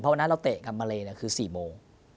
เพราะวันนั้นเราเตะกับมาเลคือ๔โมง